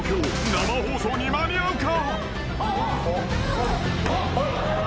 生放送に間に合うか？］